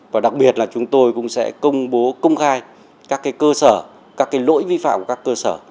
và đặc biệt là chúng tôi cũng sẽ công bố công khai các cơ sở các lỗi vi phạm của các cơ sở